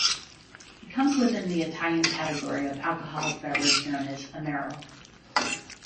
It comes within the Italian category of alcoholic beverage known as amaro.